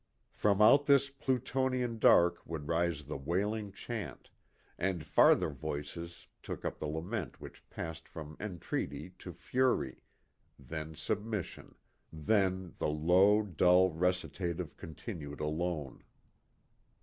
From out this Plutonian dark would rise the wailing chant, and farther voices took up the lament which passed from entreaty to fury then submission, then the low dull recitative continued alone.